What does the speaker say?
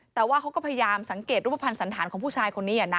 แต่ว่าเขาก็พยายามสังเกตรูปภัณฑ์สันธารของผู้ชายคนนี้นะ